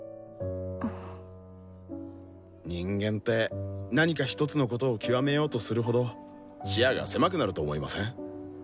人間って何か一つのことを極めようとするほど視野が狭くなると思いません？